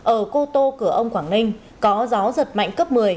ở cô tô cửa ông quảng ninh có gió giật mạnh cấp một mươi